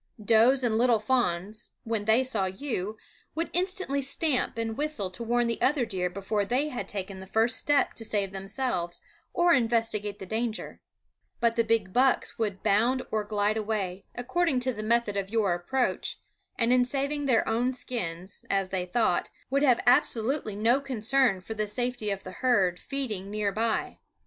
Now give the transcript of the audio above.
Does and little fawns, when they saw you, would instantly stamp and whistle to warn the other deer before they had taken the first step to save themselves or investigate the danger; but the big bucks would bound or glide away, according to the method of your approach, and in saving their own skins, as they thought, would have absolutely no concern for the safety of the herd feeding near by.